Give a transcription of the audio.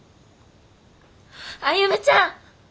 歩ちゃん！